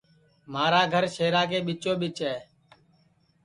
مھارا گھر شہرا کے ٻیچو ٻیچ ہے